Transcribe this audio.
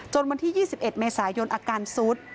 วันที่๒๑เมษายนอาการซุด